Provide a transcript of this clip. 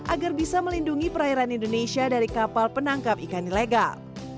agar bisa melindungi perairan indonesia dari kapal penangkap ikan ilegal